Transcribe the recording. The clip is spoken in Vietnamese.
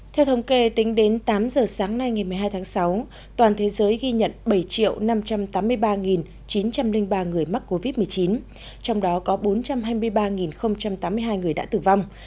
theo thống kê tính đến tám giờ sáng nay ngày một mươi hai tháng sáu toàn thế giới ghi nhận bảy năm trăm tám mươi ba chín trăm linh ba người mắc covid một mươi chín trong đó có bốn trăm hai mươi ba tám mươi hai người đã tử vong